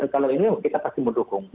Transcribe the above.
kalau ini kita pasti mendukung